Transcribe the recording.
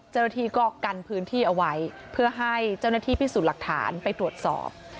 เจ้าหน้าที่ก็กันพื้นที่เอาไว้เพื่อให้เจ้าหน้าที่พิสูจน์หลักฐานไปตรวจสอบ